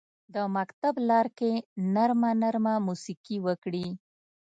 د مکتب لارکې نرمه، نرمه موسیقي وکري